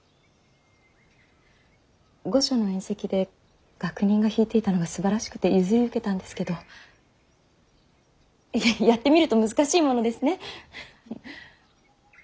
御所の宴席で楽人が弾いていたのがすばらしくて譲り受けたんですけどやってみると難しいものですね。